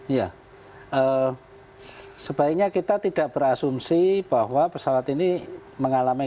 iya sebaiknya kita tidak berasumsi bahwa pesawat ini mengalami